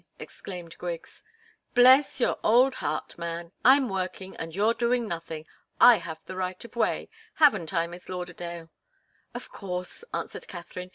exclaimed Griggs. "Bless your old heart, man I'm working, and you're doing nothing. I have the right of way. Haven't I, Miss Lauderdale?" "Of course," answered Katharine.